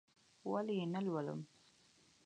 ولې یې نه لولم؟!